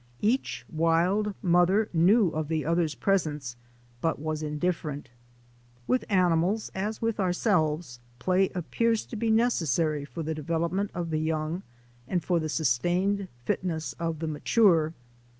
Each wild mother knew of the other's presence, but was indifferent. With animals, as with ourselves, play appears to be necessary for the development of the young and for the sustained fitness of the mature.